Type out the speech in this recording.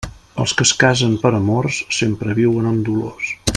Els que es casen per amors, sempre viuen amb dolors.